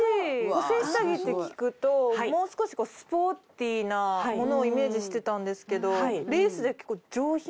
補整下着って聞くともう少しスポーティーなものをイメージしてたんですけど。